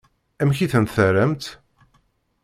Amek i ten-terramt?